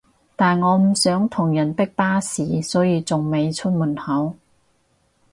但我唔想同人逼巴士所以仲未出門口